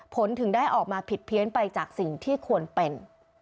ถึงได้ออกมาผิดเพี้ยนไปจากสิ่งที่ควรเป็น